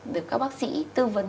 được các bác sĩ tư vấn